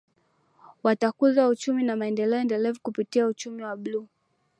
Watakuza uchumi na maendeleo endelevu kupitia uchumi wa buluu